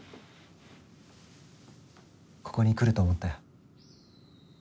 ここに来ると思ったよ。